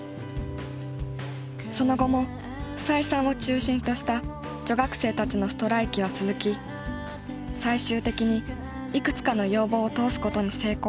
その後も房枝さんを中心とした女学生たちのストライキは続き最終的にいくつかの要望を通すことに成功。